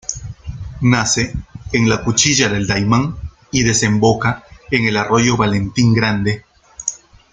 Nace en la Cuchilla del Daymán y desemboca en el arroyo Valentín Grande.